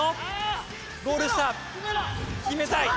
ゴール下決めたい。